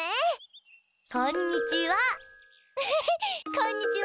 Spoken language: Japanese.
こんにちは！